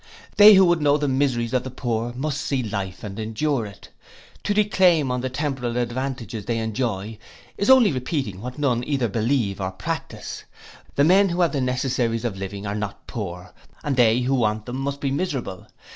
They who would know the miseries of the poor must see life and endure it. To declaim on the temporal advantages they enjoy, is only repeating what none either believe or practise. The men who have the necessaries of living are not poor, and they who want them must be miserable.